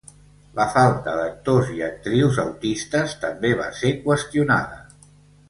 La falta d'actors i actrius autistes també va ser qüestionada.